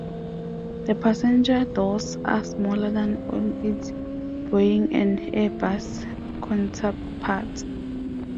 The passenger doors are smaller than on its Boeing and Airbus counterparts.